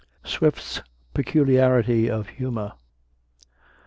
SWIFT'S PECULIARITY OF HUMOR.